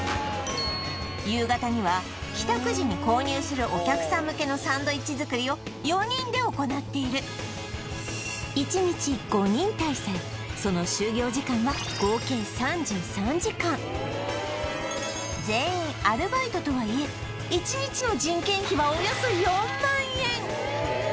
夕方には帰宅時に購入するお客さん向けのサンドイッチ作りを４人で行っている１日５人態勢その就業時間は合計３３時間全員アルバイトとはいえ１日の人件費はおよそ４万円